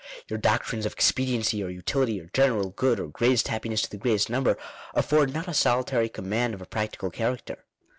Your doctrines of ' expe diency' or 'utility' or 'general good' or 'greatest happiness to the greatest number' afford not a solitary command of a practical character.